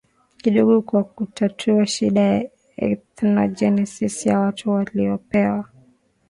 kidogo kwa kutatua shida ya ethnogenesis ya watu waliopewa